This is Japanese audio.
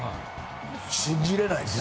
信じられないです。